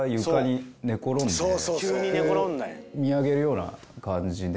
こう見上げるような感じで。